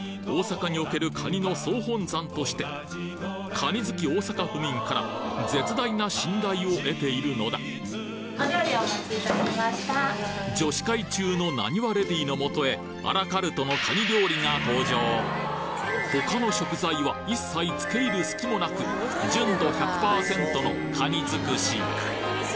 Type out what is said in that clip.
大阪におけるカニの総本山としてカニ好き大阪府民から絶大な信頼を得ているのだ女子会中のなにわレディーのもとへアラカルトのカニ料理が登場他の食材は一切つけ入る隙もなく純度１００％のかにづくし